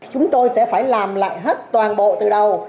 chúng tôi sẽ phải làm lại hết toàn bộ từ đầu đến cuối cùng